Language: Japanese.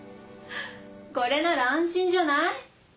これなら安心じゃない？